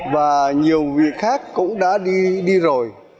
và nhiều việc khác cũng đã đi rồi